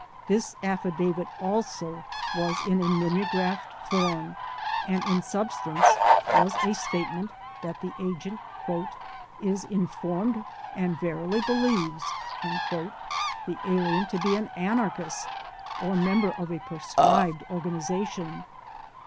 This affi davit also was in a mimeographed form and in substance was a statement that the agent "is informed and verily believes" the alien to be an anarchist or member of a pro scribed organization.